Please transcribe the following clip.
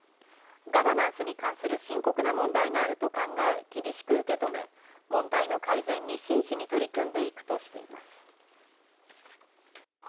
ガバナンスに関する深刻な問題があると考え、厳しく受け止め、問題の改善に真摯に取り組んでいくとしています。